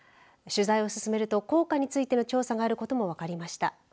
取材を進めると効果についての調査があることも分かりました。